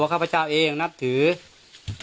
ข้าพเจ้านางสาวสุภัณฑ์หลาโภ